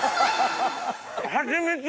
ハチミツ！